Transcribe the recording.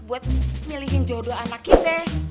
buat milihin jodoh anak kita